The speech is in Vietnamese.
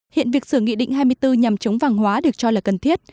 hiện việc sửa nghị định hai mươi bốn nhằm chống vàng hóa được cho là cần thiết